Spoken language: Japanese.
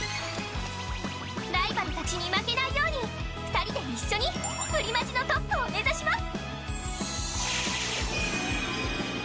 ライバルたちに負けないように２人で一緒にプリマジのトップを目指します。